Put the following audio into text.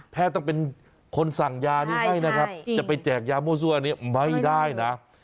ต้องเป็นคนสั่งยานี้ให้นะครับจะไปแจกยามั่วซั่วอันนี้ไม่ได้นะ